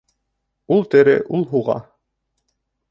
Ул тере, ул һуға!